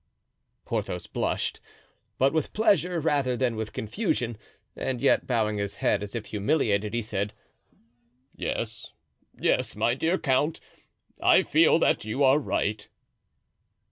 Porthos blushed, but with pleasure rather than with confusion; and yet, bowing his head, as if humiliated, he said: "Yes, yes, my dear count, I feel that you are right."